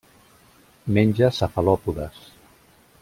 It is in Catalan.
Menja cefalòpodes.